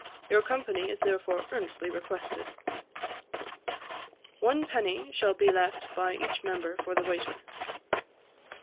Your company is therefore earnestly requested." 'One penny shall be left by each member for the waiter.'